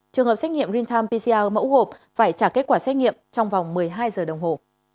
trường hợp xét nghiệm real time pcr mẫu gộp phải trả kết quả xét nghiệm trong vòng một mươi hai giờ đồng hồ